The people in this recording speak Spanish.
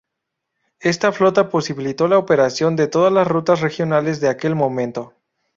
Esta flota posibilitó la operación de todas las rutas regionales de aquel momento.